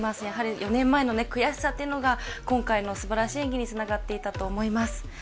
やはり４年前の悔しさが今回のすばらしい演技につながっていたと思います。